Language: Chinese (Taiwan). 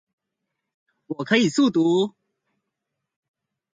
我可以速讀